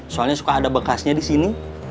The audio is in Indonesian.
soalnya suka ada bekasnya di sini